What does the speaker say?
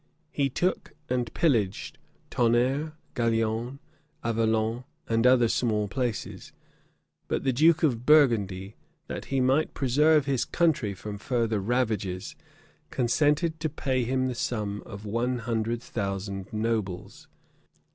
He took and pillaged Tonnerre, Gaillon, Avalon, and other small places; but the duke of Burgundy, that he might preserve his country from further ravages, consented to pay him the sum of one hundred thousand nobles.